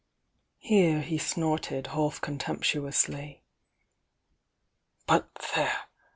— here he snorted half contemptuously. "But there!